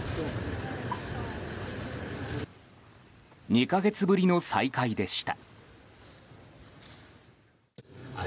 ２か月ぶりの再会でした。